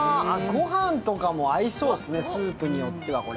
ごはんとかも合いそうですね、スープによっては。